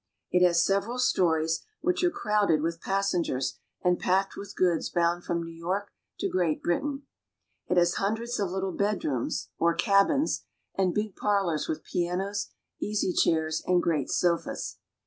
It has several stories, which are crowded with pas ACROSS THE ATLANTIC TO EUROPE. 13 sengers and packed with goods bound from New York to Great Britain. It has hundreds of little bedrooms or cabins, and big parlors with pianos, easy chairs, and great sofas.